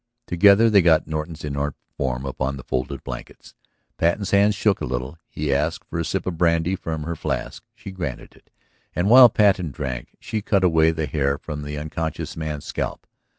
Together they got Norton's inert form upon the folded blankets. Patten's hands shook a little; he asked for a sip of brandy from her flask. She granted it, and while Patten drank she cut away the hair from the unconscious man's scalp.